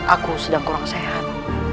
aku sedang kurang sehat